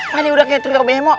pak deh udah kayak trigo bmo